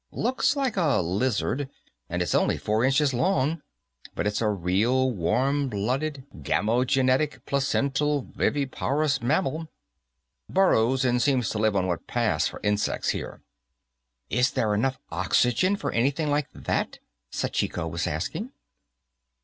Looks like a lizard, and it's only four inches long, but it's a real warm blooded, gamogenetic, placental, viviparous mammal. Burrows, and seems to live on what pass for insects here." "Is there enough oxygen for anything like that?" Sachiko was asking.